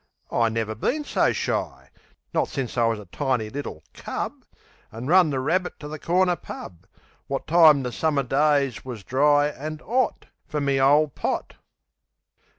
I never been so shy. Not since I was a tiny little cub, An' run the rabbit to the corner pub Wot time the Summer days wus dry an' 'ot Fer me ole pot.